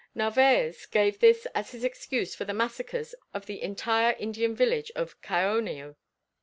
Narvaez gave this as his excuse for the massacres of the entire Indian village of Caonao.